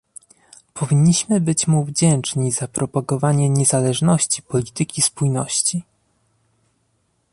Powinniśmy być mu wdzięczni za propagowanie niezależności polityki spójności